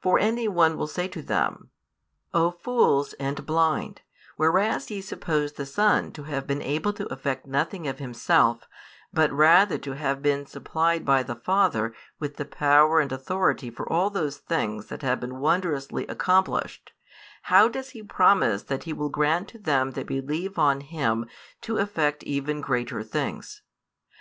For anyone will say to them: "O fools and blind, whereas ye suppose the Son to have been able to effect nothing of Himself, but rather to have been supplied by the Father with the power and authority for all those things that have been wondrously accomplished; how does He promise that He will grant to them that believe on Him to effect even greater things?